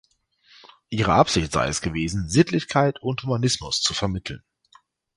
Ihre Absicht sei es gewesen, Sittlichkeit und Humanismus zu vermitteln.